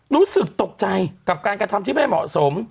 รู้สึกตกใจกับการกระทำที่ไม่เหมาะสม